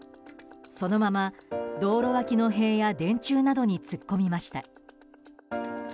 そのまま道路脇の塀や電柱などに突っ込みました。